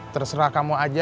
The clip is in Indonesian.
terserah kamu aja